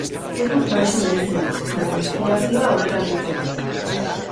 Ez dut maisu berezirik, baina inspirazioa horrela biltzen dut.